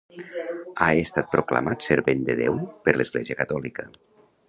Ha estat proclamat servent de Déu per l'Església catòlica.